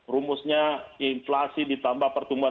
rumusnya inflasi ditambah pertumbuhan